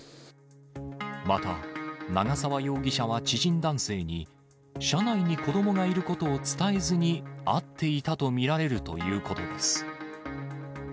また、長沢容疑者は知人男性に、車内に子どもがいることを伝えずに会っていたと見られるということです。